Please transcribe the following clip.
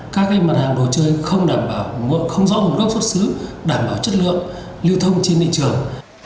các mặt hàng đồ chơi không rõ gốc xuất xứ đảm bảo chất lượng lưu thông trên địa trường